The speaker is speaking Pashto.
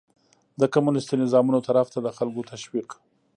د کمونيستي نظامونو طرف ته د خلکو تشويق